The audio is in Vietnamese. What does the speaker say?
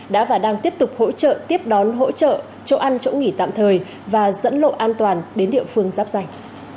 đã và đang tiếp tục hỗ trợ tiếp đón hỗ trợ chỗ ăn chỗ nghỉ tạm thời và dẫn lộ an toàn đến địa phương giáp danh